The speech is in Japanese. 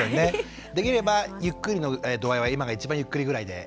できればゆっくりの度合いは今が一番ゆっくりぐらいで。